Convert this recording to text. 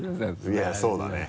いやそうだね。